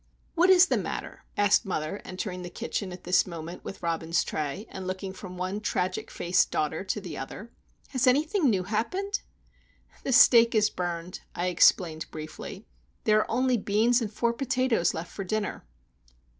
"What is the matter?" asked mother, entering the kitchen at this moment with Robin's tray, and looking from one tragic faced daughter to the other. "Has anything new happened?" "The steak is burned," I explained, briefly. "There are only beans and four potatoes left for dinner."